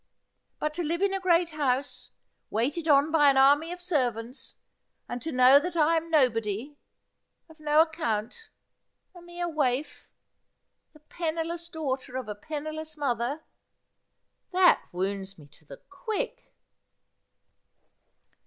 But to live in a great house, waited on by an army of servants, and to know that I am no body, of no account, a mere waif, the penniless daughter of a penniless mother — that wounds me to the quick.'